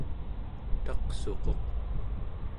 taqsuquq